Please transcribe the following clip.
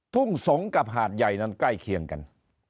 ทุ่งสงศ์กับหาดใหญ่นั้นใกล้เคียงกัน